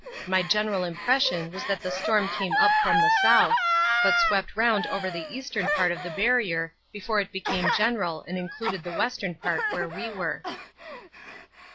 My general impression was that the storm came up from the south, but swept round over the eastern part of the Barrier before it became general and included the western part where we were.